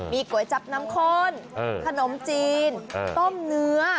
มีก๋วยจับน้ำข้นขนมจีนต้มเนื้อ